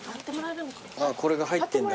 これが入ってんだ